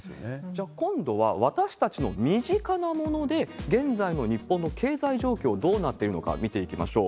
じゃあ、今度は、私たちの身近なもので、現在の日本の経済状況、どうなっているのか、見ていきましょう。